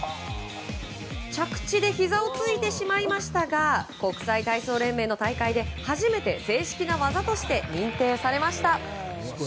着地でひざをついてしまいましたが国際体操連盟の大会で初めて正式な技として認定されました。